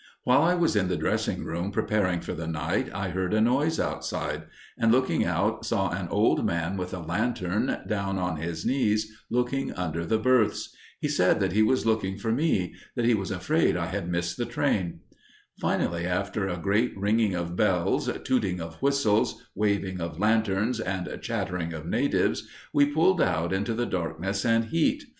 While I was in the dressing room, preparing for the night, I heard a noise outside, and, looking out, saw an old man with a lantern, down on his knees looking under the berths. He said that he was looking for me, that he was afraid I had missed the train. Finally, after a great ringing of bells, tooting of whistles, waving of lanterns, and chattering of natives, we pulled out into the darkness and heat.